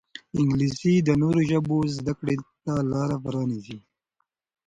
انګلیسي د نورو ژبو زده کړې ته لاره پرانیزي